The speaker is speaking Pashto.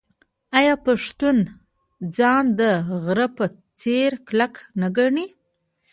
آیا پښتون ځان د غره په څیر کلک نه ګڼي؟